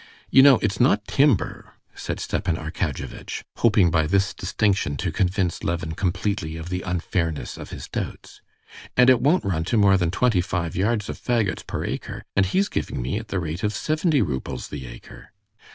You know it's not 'timber,'" said Stepan Arkadyevitch, hoping by this distinction to convince Levin completely of the unfairness of his doubts. "And it won't run to more than twenty five yards of fagots per acre, and he's giving me at the rate of seventy roubles the acre."